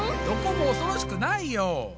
どこもおそろしくないよ。